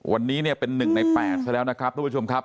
วันนี้เนี่ยเป็น๑ใน๘ซะแล้วนะครับทุกผู้ชมครับ